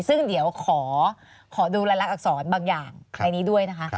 ซึ่งเดี๋ยวขอดูรายลักษรบางอย่างในนี้ด้วยนะคะ